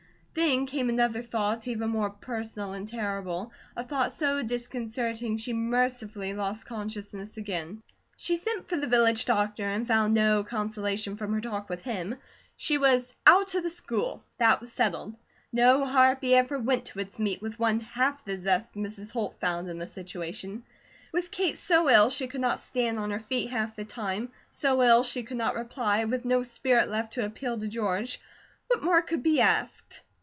Then came another thought, even more personal and terrible, a thought so disconcerting she mercifully lost consciousness again. She sent for the village doctor, and found no consolation from her talk with him. She was out of the school; that was settled. No harpy ever went to its meat with one half the zest Mrs. Holt found in the situation. With Kate so ill she could not stand on her feet half the time, so ill she could not reply, with no spirit left to appeal to George, what more could be asked?